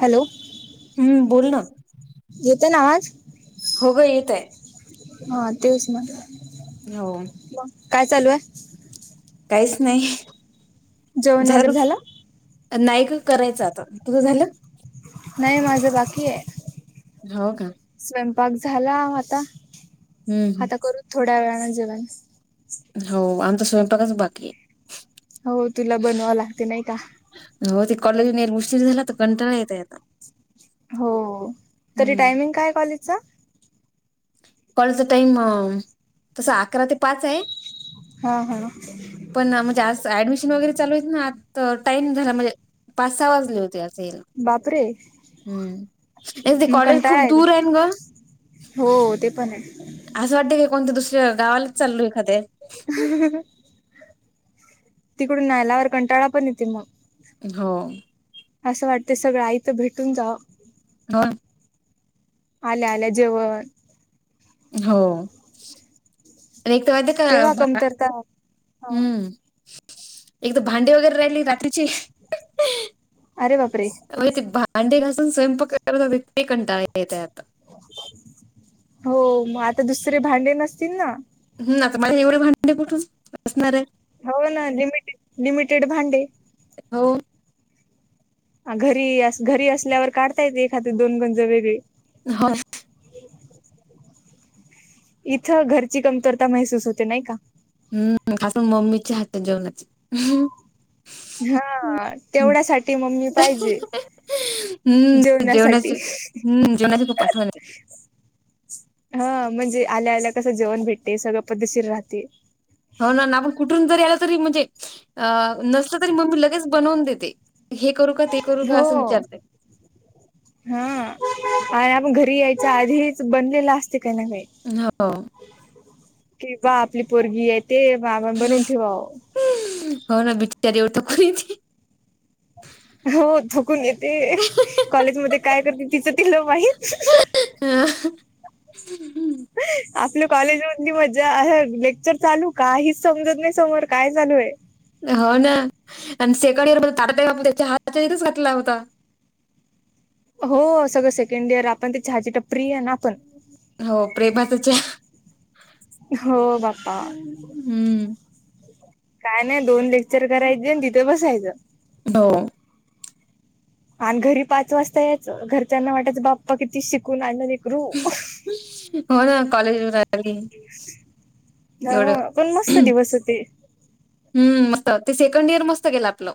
Hello हम्म बोल ना. येतोय ना आवाज? हो ग येतय. हा तेच [unintelligible] हो काय चालू आहे? काहीच नाही जेवण झालं का वगैरे तु नाही ग करायचं आता. तुझं झालं? नाही माझं बाकी आहे. हो का. स्वयंपाक झाला आता हम्म हम्म. आता करू थोड्या वेळाने जेवण. हो आमचा स्वयंपाकच बाकी आहे. हो तुला बनवाव लागते नाही का. हो ते कॉलेज मुश्ि [unintelligible] री झाला तर कंटा नाही येतय आता. हो तरी हम्म टायमिंग काय आहे कॉलेजचा. कॉलचा टाइम तस अकरा ते पाच आहे. हां हां. पण म्हणजे आज ऍडमिशन वगैरे चालू आहेते ना आ टाईम झाला म्हणजे पाच सहा वाजले होते असं याला. बापरे हम्म आणि ते मग कॉलेज खूप कंटाळा दूर येते आहे ग. हो ते पण आहे. असं वाटतं की कोणत्या दुसऱ गावाला चाल आहे एखाे तिकडून नयलावर कंटाळा पण येते मग. हो. असं वाटते सगळं आईत भेटून जावाव. हो. आल्या आल्या जेवायला. हो. एके तर तेव्हा व क कमतरता हा. हम्म. [unintelligible] एकदा भांडे वगैरे राहिली रात्रीची. अरे बापरे! मा ते भांडे घासून स्वयंपाक ते कंटा [unintelligible] येत आता. हो मग आता दुसरे भांडे नसतील ना. ह तर माझ एवढे भांडे कुठून असणार आहे. हो ना लिमिटे लिमिटेड भांडे. हो. घरी घरी असल्यावर काढता येते एखादी दोन गंज वेगळे. हो. इथं घरची कमतरता महसूस होते नाही का. हम्म खास मम्मीच्या हातात जेवणाच. [inaudible] हा तेवढ्यासाठी मम्मी पाहिजे जेवणासाठी. हम् जोनास तू पाठवा. हा म्हणजे आल्या आल्या कसं जेवण भेटते सगळं पद्धशीर राहते. हो ना ना आपण कुठून जरी आला तरी म्हणजे अ नसलं तरी मम्मी लगेच बनवून देते. हे करू का ते करू का हो असं विचारते. हा आणि आपण घरी यायच आधीच बनलेला असते काही ना काही. हो. किंवा आपली पोरगी आहे ते मामा बनून ठेवावं. हो ना बचारी उठे कोणीती. हो थकून येते कॉलेज मध्ये काय करते तिचं तिला माहीत. हम्. हम आपलं कॉलेजमधली मज्जा असं लेक्चर चालू काहीच समजत नाही समोर काय चालू आहे. हो ना आणि सेकंड इयर म तार बा त्याच्या हातच्या तथच घातला होता. हो सगळं सेकंड इयर आपण त्या हाचीीट प्रि आहे ना आपण. हो प्रेमाचा चहा हो बापा. हम्म काय नाही दोन लेक्चर करायचे आणि तिथं बसायचं. हो. बणा आणि घरी पाच वाजता याच घरच्याना वाटायच बाप्पा किती शिकून आलं लेकरू. हो ना कॉलेज. एवढं हा पण मस्त दिवस होते. हम्म मस्त ते सेकंड इयर मस्त केेलं आपलं.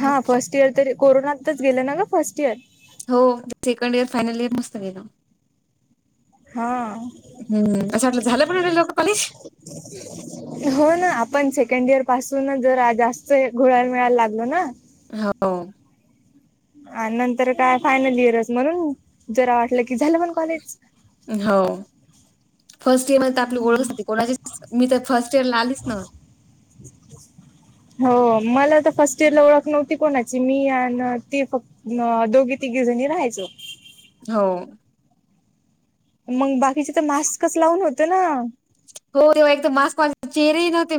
हो हा फर्स्ट इयर तरी कोरोनातच गेलं ना ग फर्स्ट इयर. हो ते सेकंड इयर फायनल इयर मस्त गेल. हा हम कसं वाटलं झालं पण एवढ्या लवकर कॉलेज. हो ना आपण सेकंड इयर पासूनच जर जास्त घोळाळ मिळायला लागलो ना. हो. आणि नंतर काय फायनल इयरच म्हणून जरा वाटलं की झालं पण कॉलेज. हो फर्स्ट इयर मध्ये तर आपली ओळख होती कोणाची मी तर फर्स्ट इयर ला आलीच ना. हो मला आ तर फर्स्ट इयर ला ओळख नव्हती कोणाची. मी आणि ती फक्त दोघी तिघी जणी राहायचो. हो. मग बाकीचे तर मास्कच लावून होत ना. हो तेव्हा एकदा मास मास चेहरेही नव्हते.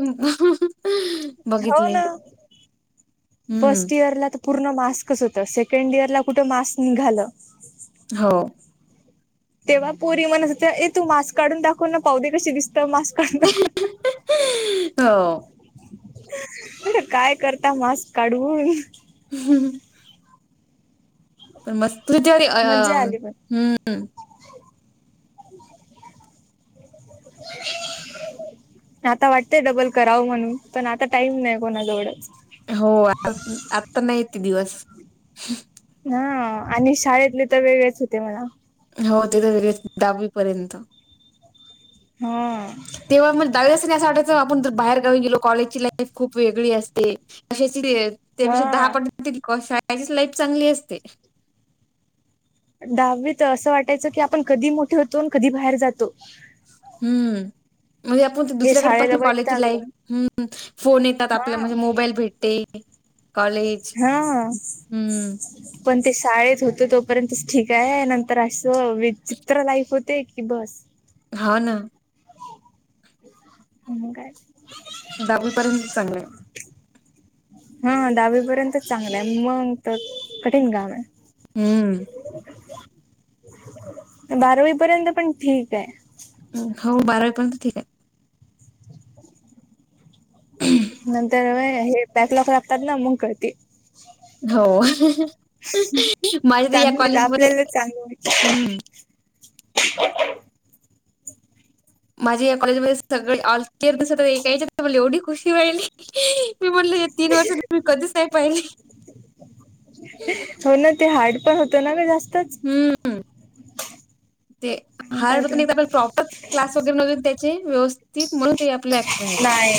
हऊ बघितले ना हम्म, फस्ट इयर ला त. पूर्ण मास्कच होत सेकंड इयर ला कुठे मास्क निघालं. हो. तेव्हा पोरी म्हनत तू मास्क काढून दाखव. कोण पाह दे कशी दिसत मास् कोणता कोण. हो. काय करता मास्क काढवून. हम्म पण मस्त जरी अ मज्जा आली पण हम्म. [inaudible] आता वाटतेय डबल कराव म्हणून पण आता टाईम नाही कोणाजवळच. हो आ आता नाही ते दिवस. हा आणि शाळेतले तर वेगळेच होते मला. हो तेिथे वेगळे दडहावी पर्यंत. हा. तेव्हा मग दावेदस्तनी असं वाटायचं आपण ज बाहेर गाऊन गेलो कॉलेजची लाईफ खूप वेगळी असते. का त्यापेक्षा दहा हा पट शाळेचीच लाईफ चांगली असते. दहावी तर असं वाटायचं की आपण कधी मोठे होतो आणि कधी बाहेर जातो. हम्म म्हणजे आपण हे दुसऱ्याकडे पा शाळेला ना कॉलेजची वैतागलो लाईफ फोन येत. हा आपल्या म्हणजे मोबाईल भेटते. कॉलेज हा हम्म. पण ते शाळेत होत तोपर्यंत ठीक आहे नंतर. तर असं विचित्र लाईक होते की बस. हा ना. ह काय. दहावीपर्यंत चांगलं आहे. हा दहावी पर्यंत चांगलं आहे मग तर कठीण कााम आहे. हम्म. बारावी पर्यंत पण ठीक आहे. हो बाराज पर्यंत ठीक आहे. [inaudible] नंतर हे बॅक लॉक लागतात ना मुंग कळती. हो माझ्या तर या चांगली कॉलेजमध्ये आपल्याला चांगली हम्म. माझी या कॉलेजमध्येध्ये सगळे लअर दिसत एऐकायच्या मला एवढी खुशी वहिली. म्हटलं या तीन वर्ष त्ही कधीच नाही पाहिले. हो ना ते हार्ड पण होत ना ग जास्तच. हम्म हम् ते मग काय हारत तर आप प्रॉपर क्लास वगैरे नून त्याचे व्यवस्थित म्हणू. नाय.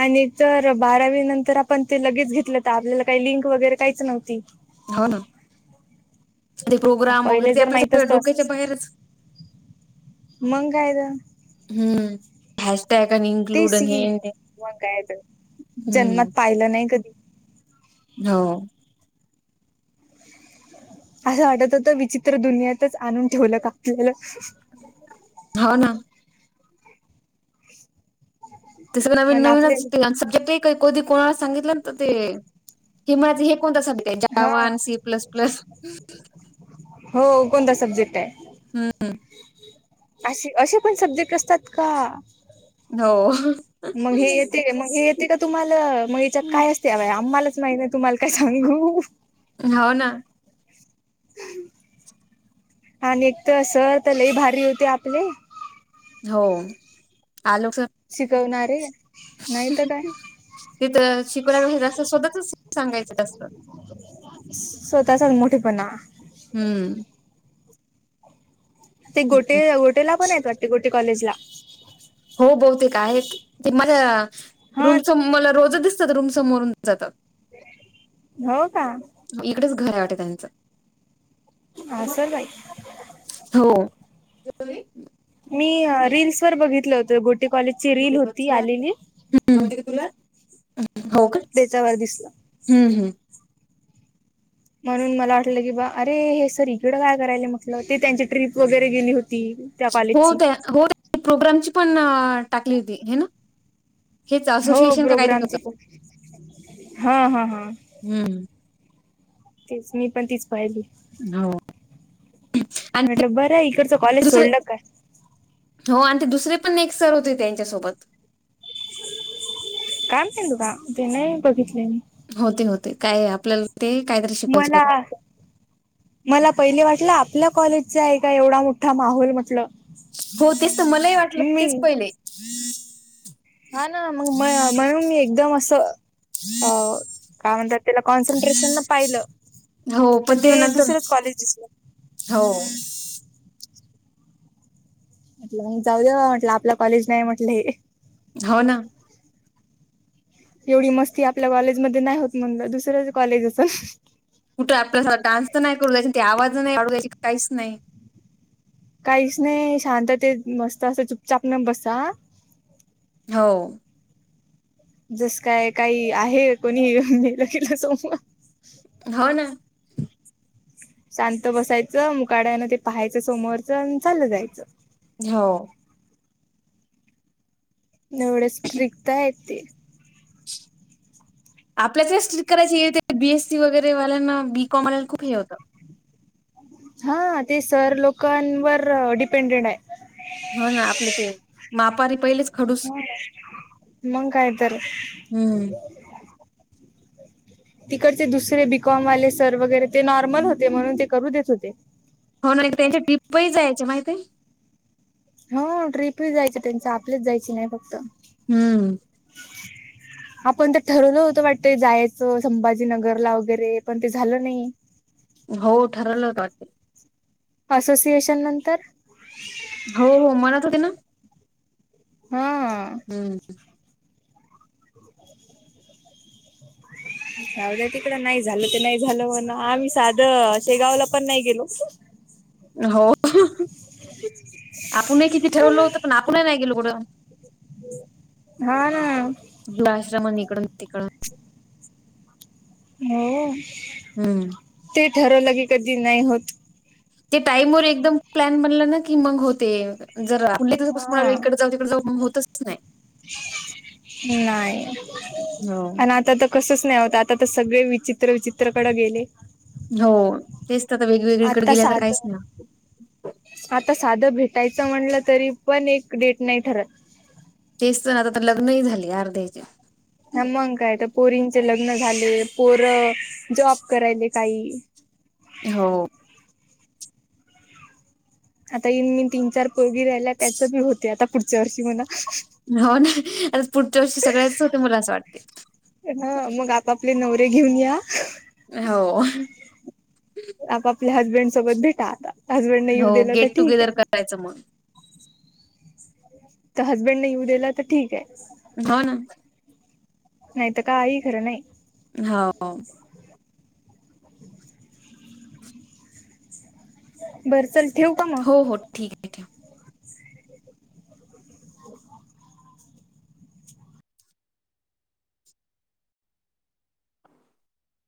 आणि तर बारावी नंतर आपण ते लगेच घेतलं तर आपल्याला काही लिंक वगैरे काहीच नव्हती. हो ना प्रोग्राम वगैरे पहिले ते जर आपल्या माहित सगळ असत डोक्याच्या असंच बाहेरच मग काय तर हम्म हॅश टॅग अन ते इनक्लूडन हे सी मग काय तर जन्मात हम्म. पाहिलं नाही कधी. हो. असं वाटत होत विचित्र दुनियातच आणून ठेवलं का आपल्याला. ह ना. तस नवीन मण आपले नवीनच सब्जक्ट. का कधी कोणाला सांगित ते हिमा हे कोणता? त्याच्या हा वन सी प्लस प्लस. हो कोणता सब्जेक्ट टाय. हम्म. अशे असे पण सब्जेक्ट असतात का. हो मग हे येते का मग हे. तिथ तुम्हाला मग हेच्यात काय असते बा [unintelligible] आम्हालाच माहित तुम्हाला काय सांगू. हव ना. आणि एक तर अस तर लई भारी होते आपले. हो आलोकस शिकवणारे. नाही तर काय तिथ शिकवय [unintelligible] जास्त स्वतःचच सांगायचं जास्त स्वतःचाच मोठेपणा. हम्म. ते गोटे गोटेला पण आहेत वाटते गोटे कॉलेजला. हो बहुतेक आहेत ते माझ्या हा रूमच मला रोजच दिस रूम समोरून जातात. हो का? इकडेच घर आहे वाटे त्यांचं. असल बाई. हो. मी रेल्सवर बघितलं होतं गोटी कॉलेजची रील होती आलेली. तुला हो का त्याच्यावर दिसलं हम् हम् म्हणून मला वाटलं की बा अरे हे सर इकड काय करायला म्हटलं ते त्यांची ट्रिप वगैरे गेली होती. त्या कॉलेजची होते होते प्रोग्रामची पण टाकली होती हे ना. हेच हो असोसिएशन का काहीतरी प्रोग्रामची होतं पण हा हा हा हम्म तीच मी पण तीच पाहिली. हो. आणि म्हटलं बरंय इकडचं कॉलेज दुसरे सोडलं क काय. हो आणि ते दुसरे पण एक सर होते त्यांच्यासोबत. काम तेन बा ते नाही बघितले मी. होते होते काय आपल्याला ते कायतरी मला मला पहिले वाटलं आपल्या कॉलेजचा आहे का एवढा मोठा माहोल म्हटलं. हो तेच तर मलाही वाटलं मी तेच पहिले. हा ना मग मई म्हणून मी एकदम असं हो काय म्हणतात त्याला कॉन्सन्ट्रेशन न पाहिलं हो तर पण ते नंतर दुसरंच कॉलेज दिसलं. हो म्हंटल जाऊ दे बाबा म्हटलं, आपलं कॉलेज नाही म्हटलं हे हो ना एवढी मस्ती आपल्या कॉलेजमध्ये नाही होत म्हणलं दुसरंच कॉलेज असल कुठं आपल्यासत डान्स तर नाही करू द्यायची, ते आवाज नाही वाढू द्यायची, काहीच नाही काहीच नाही शांततेत मस्त असं चुपचाप न बसा. हो. जस काय काही आहे कोणी मेलं केल्या समोर हो ना. शांत बसायचं मुकाट्यान ते पाहायचं समोरच आणि चाल जायचं. हो. एवढ स्ट्रिक्ट हायेत ते. आपल्याचच स्ट्रिक करायची हे ते, बी एसी वगैरे वाल्यांना, बी कॉम वाल्यांना, खूप हे होतं हा ते सर लोकांवर डिपेंडेंट हाय. हो. ना आपलं ते मापारी पहिलेच खडूस व्हय, मंग काय तर हम्म तिकडचे दुसरे बीकॉम वाले सर वगैरे ते नॉर्मल होते म्हणून ते करू देत होते. हो ना त्यांच्या डीप्पही जायचे माहितेय हो ट्रीपही जायच त्यांच आपलीच जायची नाही फक्त हम्म [inaudible] आपण तर ठरवलं होत वाटतं, जायचं संभाजीनगरला वगैरे पण ते झालं नाही. हो ठरवलं होत वाटतंय असोसिएशन नंतर हो हो म्हणत होते ना? हा हम्म जाऊ द्या तिकडं, नाही झालं ते नाही झालं, म्हण आम्ही साधं शेगावला पण नाही गेलो हो, आपुणही किती ठरवलं होतं पण आपुणही नाही गेलो कुठं हा ना ग्लास रमन ईकडून तिकडून हो हम्म ते ठरवलं की कधी नाही होत. ते टाईम वर एकदम प्लॅन बनलं ना की मंग होते वग. जरा [unintelligible] हा इकडे जाऊ, तिकडे जाऊ, होतच नाय. नाई हं आणि आता त कसंस नाही होतं, आता त सगळे विचित्र विचित्रकडं गेले. हो, तेस त अता वेगवेगळीकडे गेले आता काहीस ना. आता साधं भेटायचं म्हणलं तरी पण एक डेट नाही ठरत. तेस तर आता तर लग्न ही झाली अर्ध्याचे. हां मंग काय तर, पोरींचे लग्न झाले, पोरं जॉब करायले काही. हो आता ईनमीन तीन चार पोरगी राहिल्या, त्याचं बी होतंय आता पुढच्या वर्षी म्हणा. हो ना, आता पुढच्या वर्षी सगळ्यांचं होते, मला असं वाटते. अं हं, मग आपापले नवरे घेऊन या. हो आपआपल्या हसबंड सोबत भेटा आता, हसबंडन येऊ दिलं तर ठीक ए. त्याचं मन. त हसबंड नई येऊ दिलं त ठीके? हां ना. नाहीत काही खरं नाही. हो बरं चल, ठेऊ का म? हो हो ठीक आहे ठीक